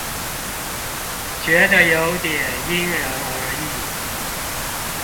覺得有點因人而異